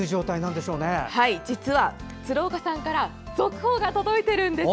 実は、鶴岡さんから続報が届いているんです。